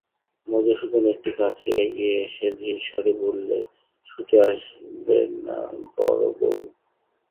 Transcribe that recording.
মধুসূদন একটু কাছে এগিয়ে এসে ধীর স্বরে বললে, শুতে আসবে না বড়োবউ?